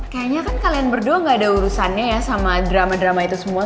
kayaknya kan kalian berdua gak ada urusannya ya sama drama drama itu semua